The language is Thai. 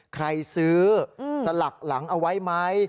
ใครซื้อสลักหลังเอาไว้ไหม